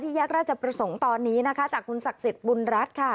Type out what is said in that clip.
แยกราชประสงค์ตอนนี้นะคะจากคุณศักดิ์สิทธิ์บุญรัฐค่ะ